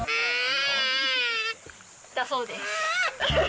だそうです。